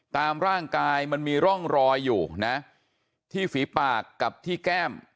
ตามร่างกายมันมีร่องรอยอยู่นะที่ฝีปากกับที่แก้ม